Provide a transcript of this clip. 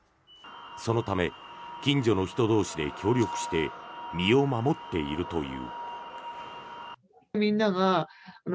そのため、近所の人同士で協力して身を守っているという。